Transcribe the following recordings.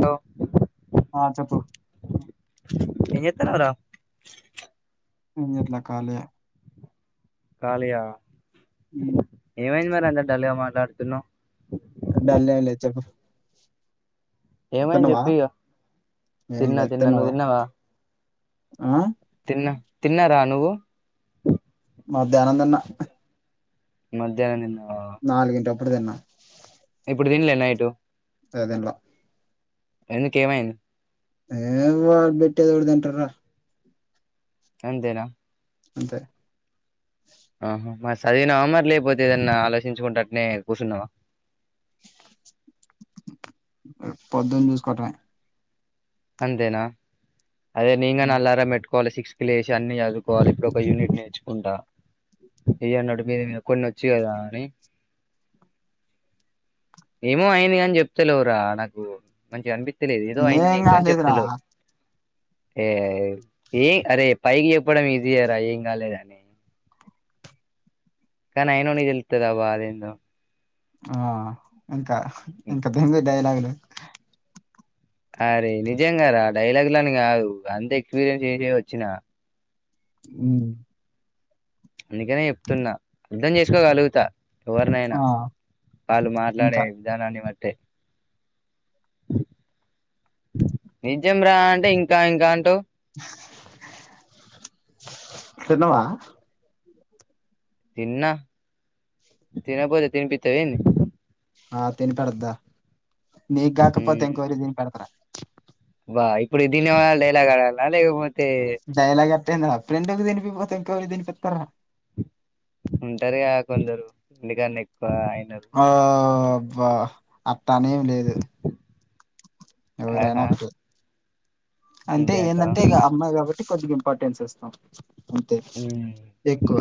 తో ఆ చెప్పు ఏం చెత్తాన్నావురా? ఎంది ఇట్లా కాలె కాలియా హ ఏమైంది మరి అంత డల్ గా మాట్లాడుతున్నావ్? డల్ లే చెప్పు ఏమైంది ఎత్తనవా చెప్పు ఇగ ఏ తిన్నా తిన్నా నువ్వు ఎత్తనవా తిన్నావా ఆ తిన్నా తిన్నార నువ్వు? మాధ్యానం తిన్న మధ్యాహ్నం తిన్నావా? నాలుగింటప్పుడు తిన్నా ఇప్పుడు తిన్లే నైటు సదేంలా ఎందుకేమైంది? ఏమొ వాళ్లు బెట్టేది ఎవడు తింటాడు రా? ఎంతేనా అంతే ఆహా మరి చదివినావ మరి లేకపోతే ఏదన్న ఆలోచించుకుంటట్నే కూర్చున్నావా? పొద్దుని చూసుకోట్టమె అంతేనా అదే నింగా నా ఉమ్. అల్లారం మెట్టుకోవాలి సిక్స్ లేసి అన్ని చదువుకోవాలి ఇప్పుడ ఒక యూనిట్ నేర్చుకుంటా ఇ అన్నడు మీద కొన్ని వచ్చియి కదా అని ఏమో అయింది కాని చెప్తలేవురా నాకు మంచిగా అనిపించలేదు ఏదో అయింది ఏం నీకు గాని కాలేదురా చెప్తలేవు. ఏ ఏం అరే పైకి చెప్పడం ఈజీయరా ఏం కాలేదని కానీ అయిన వాళ్ళకి తెలుత్తది ఆ బాధేంటో ఆ ఇంకా ఇంకా దీని మీద డైలాగులు అరే నిజం గారా ఆ డైలాగ్ లని కాదు అంత ఎక్స్పీరియన్స్ చేసే వచ్చినా ఉ అందుకనే చెప్తున్నా అర్ధం చేసుకోగలుగుతా ఎవరినైనా ఆ వాళ్ళు ఇంకా మాట్లాడే విధానాన్ని బట్టే నిజం రా అంటే ఇంకా ఇంకా అంటావ్ తిన్నవా తిన్నా తిన పోతే తినిపితావా ఏంది ఆ తినిపెడ్తా నీకు కాకపోతే ఇంకెవరి తినిపెడతరా వా ఇప్పుడు దీన్ని ఏమనాలి డైలాగ్ అనాలా లేకపోతే డైలాగ్ అంటే ఏందిరా ఫ్రెండ్ కు తినిపియకపోతే ఇంకెవరికి తినిపిస్తారు రా ఉంటారుగా కొందరు ఎందుకన్నా ఎక్కువ అయిన ఓ అబ్బా అట్టనేమి లేదు ఎవరైనా ఆహా ఒకటే అంటే అంతే అంటావా ఏంటంటే ఇక అమ్మాయి కొద్దిగా ఇంపార్టెన్స్ ఇస్తాం అంతే మ్మ్ ఎక్కువ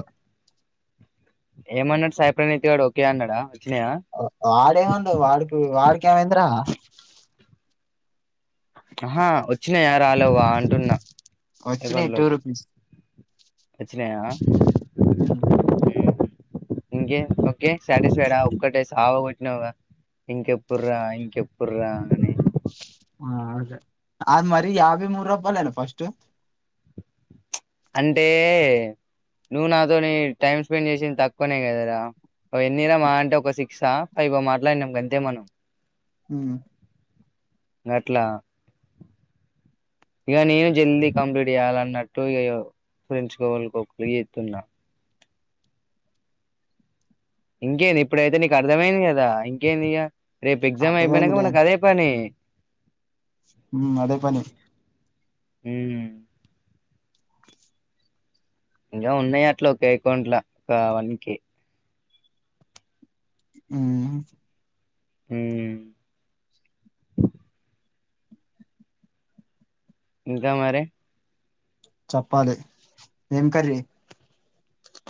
ఏమన్నాడు సాయి ప్ర్రణీత్ గాడు ఓకే అన్నాడా వచ్చినాయా వాడే ఏమనడు వాడుకి వాడికి ఏమైంది రా ఆహా వచ్చినా యారా లేవా అంటున్నా వచ్చినాయి టూ రూపీస్ వచ్చినయా ఉమ్, ఇంకే ఓకే సాటిస్ఫైడా ఒక్కటే సావ కొట్టినవ్గా ఇంకెప్పుడ్రా ఇంకెప్పుడ్రా అని అ మరి యభైమూడు రూపాయలేనా ఫస్ట్ అంటే నువ్వు నాతోని టైం స్పెండ్ చేసింది తక్కువనే కదరా ఓ ఎన్నిరా మా అంటే ఒక సిక్సా ఫైవ్ మాట్లాడినాం గంతే మనం హ గట్లా ఇక నేను జల్దీ కంప్లీట్ చేయాలి అన్నట్టు ఇక ఫ్రెండ్స్ కి ఎవరికో ఒకరికి చేస్తున్నా ఇంకేంది ఇప్పుడైతే నీకు అర్థమైంది కదా ఇంకేంది ఇక రేపు ఎగ్జామ్ అయిపోయినాక అర్థమైందిలే మనకు అదే పని అదే పని ఉమ్ ఇంకా ఉన్నాయి అట్లా ఒక అకౌంట్ల ఒకవన్కె ఉమ్ మ్మ్ ఇంకా మరి చెప్పాలి ఏం కర్రీ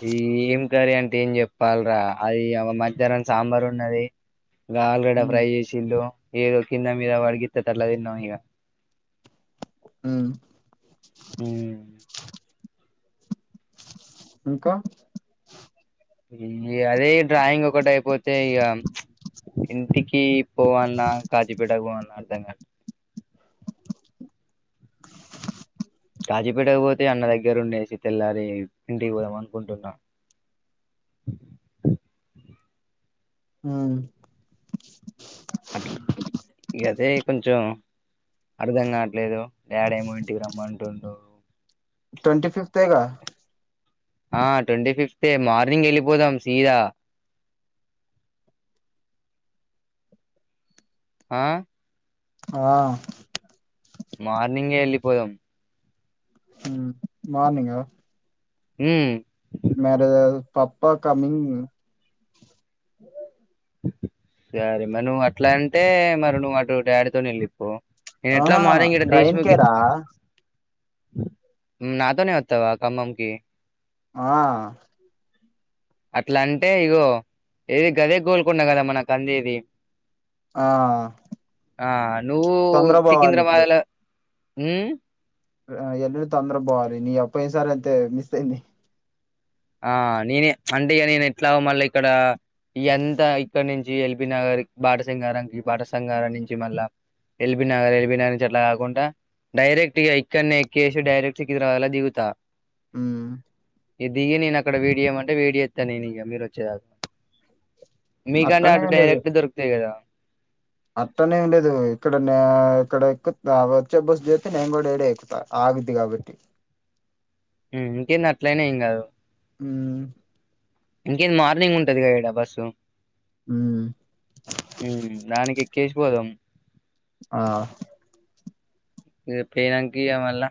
ఈ ఏం కర్రీ అంటే ఏం చెప్పాలరా అది మధ్యాహ్నం సాంబార్ ఉన్నది ఇ ఆలుగడ ఉమ్ ఫ్రై చేసిలు ఏదో కింద మీద పడి గీతత అట్లా తిన్నాం ఉ హ్మ్. ఇంకా అదే డ్రాయింగ్ ఒకటి అయిపోతే అయితే ఇక ఇంటికి పోవాలన్నా కాజీపేట పోవలన్నా అర్థం కా కాజీపేటకు పోతే అన్న దగ్గర ఉండేసి తెల్లారి ఇంటికి పోదాం అనుకుంటున్నా ఆ అట్ల్ అదే కొంచెం అర్ధం కావట్లేదు డాడ్ ఏమో ఇంటికి రమ్మంటుండు. ట్వంటీ ఫిఫ్తేగా ఆ ట్వంటీ ఫిఫ్తే మార్నింగ్ వెళ్ళిపోదాం సీదా ఆ ఆ మార్నింగే వెళ్ళిపోదాం ఉ మార్నింగా ఉ మరలేదు పప్పా కమింగ్ సరే మ నువ్వు అట్లా అంటే మరి నువ్వు అటు డాడీతోని వెళ్ళిపో. ఎట్లా ఆహా మార్నింగ్ ఇడా ట్రైన్ దేశ్ముకి కేరా వెళ్తా నాతోనే వత్తవా ఖమ్మం కి ఆ అట్లా అంటే ఇగో ఏది గదే గోల్కొండ కదా మనకు అందేది. ఆ ఆ నువ్వు తొందర పోవాలి ఇప్పుడు సికింద్రాబాద్లో ఉ ఆ వెంటనే తొందర పోవాలి నీయ పోయినా సరి అంతే మిస్ అయింది. ఆ నేనే చ్ అంటే ఇగా నేను ఎట్లాగో మళ్ళీ ఇక్కడ ఎంత ఇక్కడ నుంచి ఎల్బినగర్ బాట సింగారానికి బాట సంగారం నుంచి మళ్ళా ఎల్బినగర్ ఎల్బినగర్ నుంచి అట్లా కాకుండా డైరెక్ట్ ఇగ ఇక్కన్నే ఎక్కేసి డైెరెక్ట్ సికింద్రాబాద్లో దిగుతా. ఉ ఇగ దిగి నేను అక్కడ వెయిట్ చేయమంటే వెయిట్ చేస్తా నేను ఇక మీరు వచ్చేదక్ మీకన్నా అటు అట్టనేం డైరెక్ట్ దొరుకుతాయి కదా అట్టనే ఏమి లేదు ఇక్కడ నా ఇక్కడ ఎక్కు వచ్చే బస్సు చేత్తే నేను కూడా ఇడే ఎక్కుతా. ఆగుద్ది కాబట్టి ఉ ఇంకేంది అట్లాయినా ఏం కాదు ఉ ఇంకేది మార్నింగ్ ఉంటాదిగా ఇడా బస్సు ఉమ్ ఉమ్ దానికి ఎక్కేసి పోదాం ఆ ఇగ పోయినంకా ఇయ్య మళ్ళా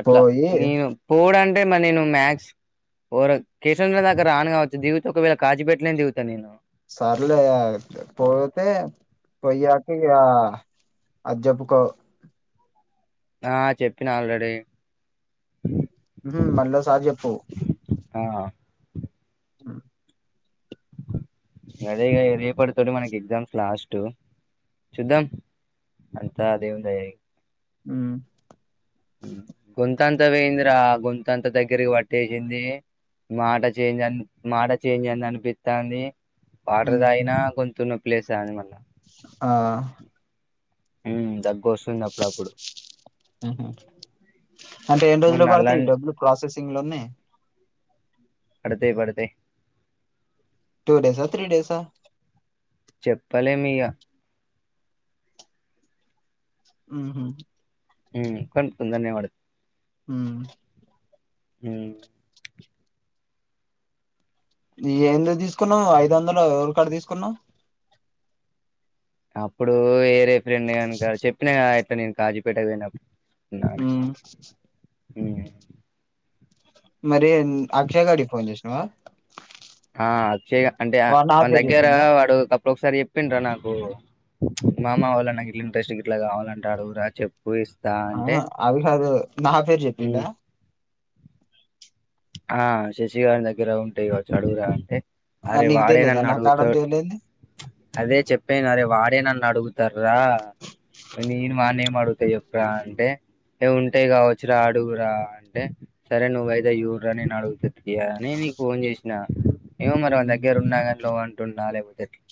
అట్లా పోయి నేను పోడు అంటే మరి నేను మ్యాక్స్ ఓర కిషనుదాకా రాను కావచ్చు దిగితే ఒకవేళ కాచిపెట్లేనే దిగుతా నేను. సార్లేపద పోతే పోయ్యాకి యా అది జెబ్బుకో ఆ చెప్పినా ఆల్రెడీ ఉహు మళ్ళ సారి చెప్పు ఆ హ్మ్ అదేగా రేపటితోటి మనకి ఎగ్జామ్స్ లాస్టు చూద్దాం అంతా దేవుని దయ ఉ ఉ గొంతంతా పోయింద్రా గొంతంతా దగ్గరికి పట్టేసింది. మాట చేంజ్ అని మాట చేంజ్ అయిదని అనిపిత్తంది వాటర్ ఉమ్. తగిన [unintelligible] ఆ దగ్గు వస్తుంది అప్పుడప్పుడు అంటే ఎన్ని మొన్న రోజులు పడితే ఈ అల్లాని డబ్బులు ప్రాసెసింగ్ లోనే పడుతాయ్ [unintelligible] టూ డేసా త్రీ డేస చెప్పలేం [unintelligible] ఉహు [unintelligible] ఊ హ ఏందు తీసుకున్నవవ్ ఐదు వందలు ఎవరి కడ తీసుకున్నావ్ అప్పుడు వేరే ఫ్రెండ్ అనుక చెప్పినా ఇట్లా నేను కాజీపేటకు పోయినప్పుడు నా ఉమ్ మరి అక్షయ గడికి ఫోన్ చేసినవ ఆ అక్షయ అంటే వాడు నా మన పేరు దగ్గర చెప్పిండా వాడు ఇప్పు ఒకసారి చెప్పిండ రా నాకు మామ అవాల నాకు ఇట్లా ఇంట్రెస్ట్ ఇట్లా కావాలంటాడు రా చెప్పు [unintelligible] ఆ అది కాదు నా పేరు "ఉమ్, చెప్పిండా ఆ శశిగాని దగ్గర ఉంటాయి కాచ్చు అడుగుదా అంటే ఆ, అరే నీకు తెలీదా వాడేనన్ను నా కాడ అడుగుతా ఉంటే లేంది అదే చెప్పేను అరే వాడే నన్ను అడుగుతార రా నేను వాడేం అడుగుతా చెప్ అంటే ఏ ఉంటాయి్ కావచ్చు రా అడుగురా అంటే సరే నువ్వయితే యూ నేను అడుగుతు నని నీకు ఫోన్ చేసినా ఏమో మరి వా దగ్గర ఉన్నాంలో [unintelligible]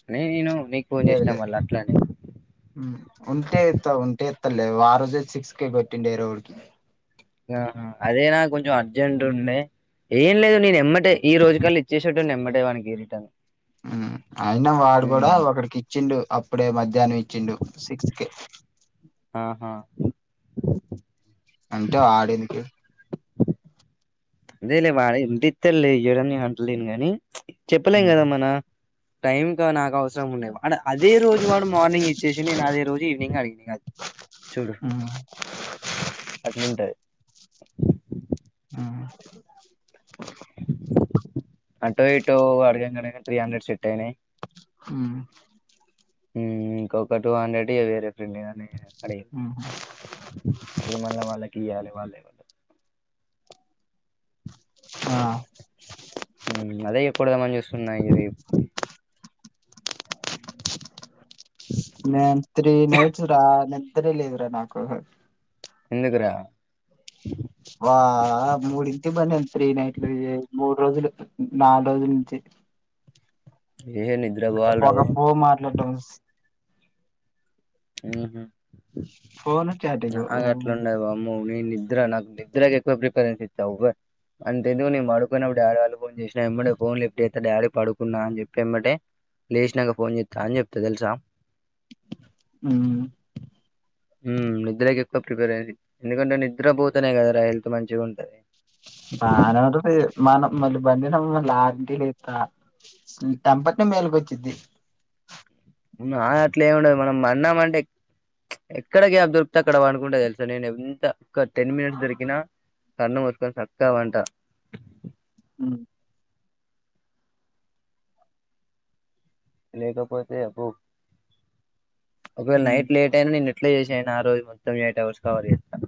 అని నేను లేదు చేసినా లేదు మళ్ళీ అట్లానే ఉంటే ఎస్త ఉంటే ఎస్తలే ఆ రోజే సిక్స్కే కొట్టిండే వేరే ఒడికి ఆహ అదేనా కొంచెం అర్జెంట్ ఉండే ఏం లేదు నేను ఎమ్మటే ఈ రోజు కల్లు ఇచ్చేసటటు న ఎమ్మటే వానకి ఏరిటని అయినా వాడు కూడా ఒకడికి ఇచ్చిండు అప్పుడే మధ్యాహ్నం ఇచ్చిండు సిక్స్ కి ఆహా అంటే [unintelligible] అదేలే వాడ ఎంటి ఇస్తారులే ఇ్వడని అంటలేను గాని చెప్పలేం ఉమ్ కదా మన టైమ్ క అవసరం ఉన్నా అ అదే రోజు వాడు మార్నింగ్ ఇచ్చేసి నేను అదే రోజు ఈవినింగ్ అడిగినను [unintelligible] అ అట్లుంటాది ఆ అటో ఇటో అడగం త్రీ హండ్రెడ్ సట్యినే హు ఇంకొక టూ హండ్రెడ్ వేరే ఫ్రెంగాని అడిగ ఉమ్. ఇప్పుడు మల్ల వాళ్ళకి ఇయాలి మళ్ళీ ఆ అదే [unintelligible] చూస్తున్నాయి ఇది [unintelligible] కిందకు రా వా మూడింటి [unintelligible] త్రీ నైట్లు మూడు రోజులు నాలుగు రోజుల నుంచి ఏనిద్ [inaudible] ఫోన్ మాట్లాడ్డం ఊహూ ఫోనే నాకు అట్లుండయి వామ్మో నీ నిద్ర నాకు నిద్రకి ఎక్కువ ప్రిఫరెన్స్ ఇచ్చా అవ్వ అంతెందుకు నేను పడుకున్నప్పుడు డాడీ వాళ్ళు ఫోన్ చేసిన ఎమ్మటే ఫోన్ లిఫ్ట్ చేత్తా డాడీ పడుకున్నా అని చెప్పి ఎమ్మటే లేసినాక ఫోన్ చేత్తా అని చెప్తా తెలుసా ఉమ్ ఉమ్ నిద్రకు ఎక్కువ ప్రిఫరేన్సి ఎందుకంటే నిద్ర పోతేనే కదరా హెల్త్ మంచిగా ఉంటది [unintelligible] ఆరింటికి లేస్తా తంపత్తే మెలుకువొచ్చిది వునా అట్లేం ఉండదు మనం పన్నాం అంటే ఎక్కడ గ్యాప్ దొరికితే అక్కడ పనుకుంటా తెలుసా నేను ఎంత ఒక టెన్ మినిట్స్ దొరికినా కన్ను మూసుకొని సక్కా వంటా ఉమ్ లేకపోతే పో ఒకవేళ నైట్ లేట్ టే నేను ఎట్లా చేసి అయినా రోజు మొత్తం ఎయిట్ అవర్స్ కవర్ చేత్తాను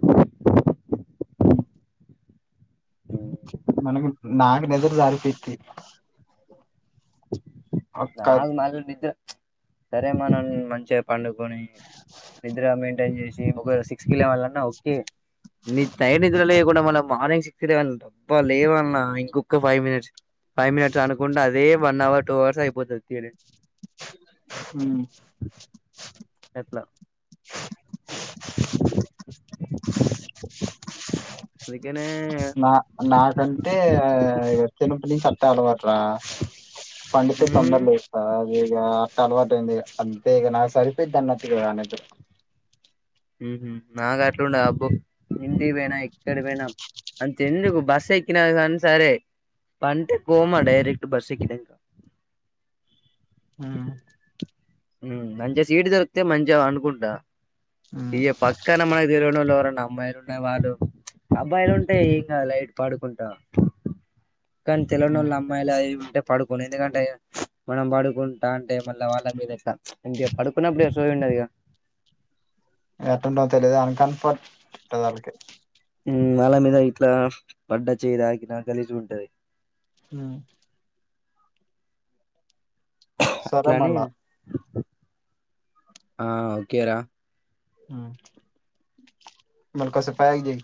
ఉమ్ ఉమ్, మనము నాకు నిదర రాదు పిచ్చి ఒక్క నాకు మాత్రం నిద్ర సరే మనం మంచే పండుకొని నిద్ర మెయింటైన్ చేసి ఒకవేళ సిక్స్ కి లేవలన్నా ఓకే నీతై నిద్రలేకండా మనం మార్నింగ్ సిక్స్ లెవిన్ అబ్బా లేవాల్నా ఇంకొక్క ఫైవ్ మినిట్స్ ఫైవ్ మినిట్స్ అనుకుంటే అదే వన్ అవర్ టూ అవర్స్ అయిపోతుది తి [inaudible] హుమ్ ఎట్లా అది కెనే నా నాకంటే చిన్నప్పట్నుంచి అట్నే అలవాట్రా పండితే తొందర హ్మ్ లేస్తా ఇగ అట్ట అలవాటయ్యింది అంతే ఇగ నా సరిపోయిద్దన్నట్టుగా అన్నట్టు నాకు అట్లుండ అబ్బో ఇంటికి పోయినా ఎక్కడ పోయినా అంత ఎందుకు బస్ ఎక్కినా గానీ సరే పంటే కోమా డైరెక్ట్ బస్ ఎక్కితే ఇంక ఊ ఊ మంచిగా సీటు దొరికితే మంచిగా పండుకుంట ఉమ్, ఈగ ప కానీ మనకి తెలవనోళ్ళు ఎవరన్నా అమ్మాయిలు ఉన్నా వాళ్ళు అబ్బాయిలు ఉంటే ఏం గాదు లైట్ పడుకుంటా కానీ ఉమ్. తెలవనోళ్ళు అం మళ్ళ ఇవ్వి ఉంటే పడుకోను ఎందుకంటే మనం పడుకుంటాంటే మళ్ళ వాళ్ళ మీద టీ అంటే పడుకున్నప్పుడే సోయి ఉండది గా ఎట్టుంటాదో తెలీదు అన్ కంఫర్ట్ ఉంటాది ఆళ్ళకి ఉమ్ వాళ్ళ మీద ఇట్లా పడ్డా చేయ్యి దాకినా గలీజుగుంటది ఊ సరే అట్లని మళ్ళా ఆ ఓకే రా ఊ మళ్ళీ కాసేపు ఆగి చేయి